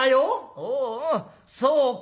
「おうおうそうか」。